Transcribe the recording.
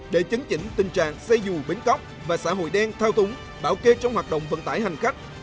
để chấn chỉnh tình trạng xe dù bến cóc và xã hội đen thao túng bảo kê trong hoạt động vận tải hành khách